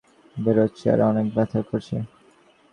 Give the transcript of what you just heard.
আমার কান থেকে সাদা পুঁজের মত বের হচ্ছে আর অনেক ব্যথা করছে।